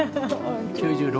９６？